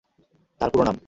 তার পুরো নাম।